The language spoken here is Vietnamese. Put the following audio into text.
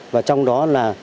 và trong đó là